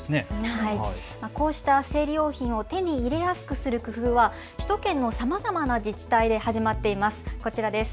こうした生理用品を手に入れやすくする工夫は首都圏のさまざまな自治体で始まっています。